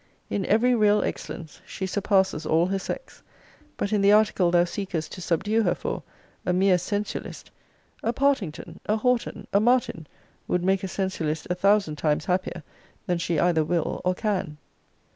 In every real excellence she surpasses all her sex. But in the article thou seekest to subdue her for, a mere sensualist, a Partington, a Horton, a Martin, would make a sensualist a thousand times happier than she either will or can.